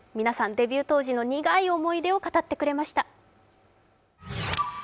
皆さん、デビュー当時の苦い思い出を語ってくれました。